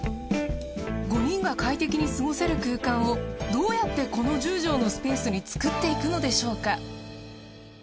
５人が快適に過ごせる空間をどうやってこの１０畳のスペースに作っていくのでしょうか？